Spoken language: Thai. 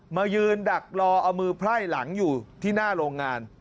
มายืนดักรอเอามือไพร่หลังอยู่ที่หน้าโรงงาน